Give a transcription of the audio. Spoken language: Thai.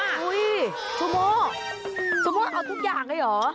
โอ้โหสมโมสมโมเอาทุกอย่างได้หรอ